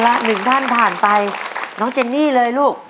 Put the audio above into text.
ละหนึ่งท่านผ่านไปน้องเจนนี่เลยลูก